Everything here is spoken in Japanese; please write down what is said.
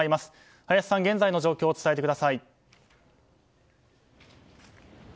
林さん、現在の様子を伝えてください。